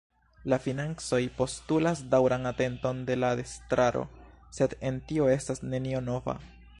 La financoj postulas daŭran atenton de la estraro, sed en tio estas nenio nova.